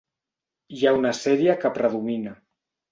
Hi ha una sèrie que predomina.